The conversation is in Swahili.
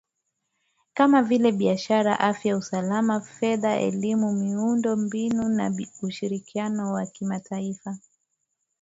kama vile biashara afya usalama fedha elimu miundo mbinu na ushirikiano wa kimataifa